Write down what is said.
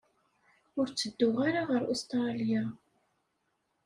Ur ttedduɣ ara ɣer Ustṛalya.